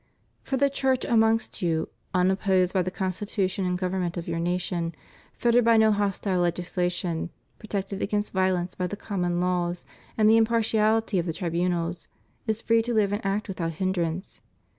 For the Church amongst you, unopposed by the Constitution and government of your nation, fettered by no hostile legislation, protected against violence by the common laws and the impartiality of the tribunals, is free to Uve and act without hindrance.